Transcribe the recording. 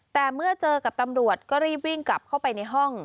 แต่เมื่อเจอกับตำรวจก็รีบวิ่งกลับเข้าไปในห้อง